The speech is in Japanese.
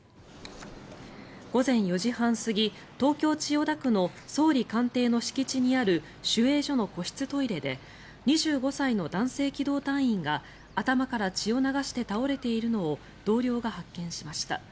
午前４時半過ぎ東京・千代田区の総理大臣の敷地にある守衛所の個室トイレで２５歳の男性機動隊員が頭から血を流して倒れているのを同僚が発見しました。